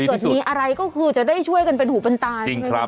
เกิดมีอะไรก็คือจะได้ช่วยกันเป็นหูปัญตา